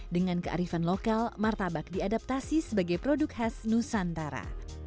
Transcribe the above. dengan kearifan lokal martabak diadaptasi sebagai produk khas nusantara